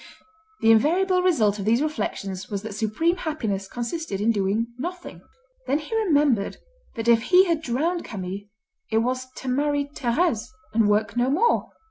The invariable result of these reflections was that supreme happiness consisted in doing nothing. Then he remembered that if he had drowned Camille, it was to marry Thérèse, and work no more.